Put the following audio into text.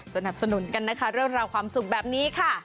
สนับสนุนกันนะคะเรื่องราวความสุขแบบนี้ค่ะ